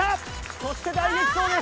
そして大激走です。